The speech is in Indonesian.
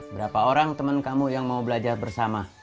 berapa orang teman kamu yang mau belajar bersama